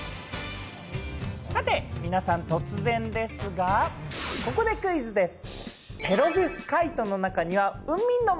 さて皆さん突然ですが、ここでクイズです！